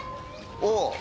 おお。